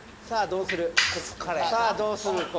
さぁどうする？